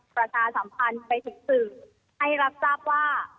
ประชาสัมพันธ์ไปถึงสื่อให้รับทราบว่า